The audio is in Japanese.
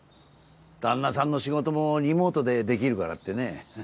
旦那さんの仕事もリモートでできるからってね。